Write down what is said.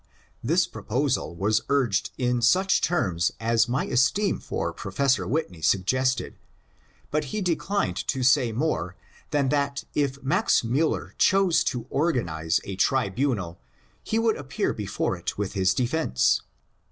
This proposal was urged in such terms as my esteem for Professor Whitney suggested) hut he declined to say more than that if Max Miiller chose to organize a tribunal he would appear before it with his defence.